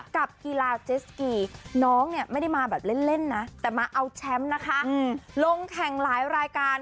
กับกีฬาเจสกีน้องเนี่ยไม่ได้มาแบบเล่นนะแต่มาเอาแชมป์นะคะลงแข่งหลายรายการ